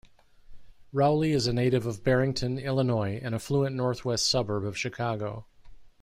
Rowley is a native of Barrington, Illinois, an affluent northwestern suburb of Chicago.